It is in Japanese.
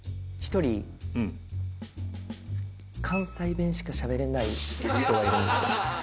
１人関西弁しかしゃべれない人がいるんですよ。